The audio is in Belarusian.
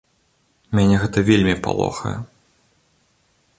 Мяне гэта вельмі палохае.